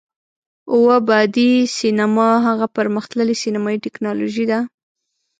اووه بعدی سینما هغه پر مختللې سینمایي ټیکنالوژي ده،